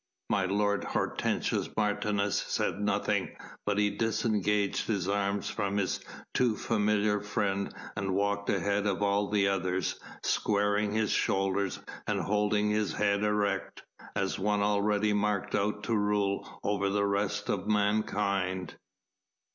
My lord Hortensius Martius said nothing, but he disengaged his arm from his too familiar friend and walked ahead of all the others, squaring his shoulders and holding his head erect, as one already marked out to rule over the rest of mankind.